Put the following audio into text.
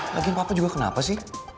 daging papa juga kenapa sih